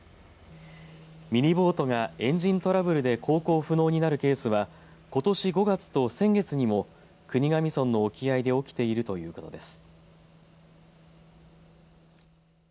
ミニボートがエンジントラブルで航行不能になるケースはことし５月と先月にも国頭村の沖合で起きているということです。